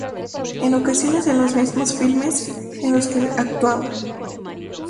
En ocasiones en los mismos filmes en los que actuaba.